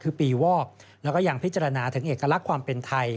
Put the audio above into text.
คือปีวอกแล้วก็ยังพิจารณาถึงเอกลักษณ์ความเป็นไทย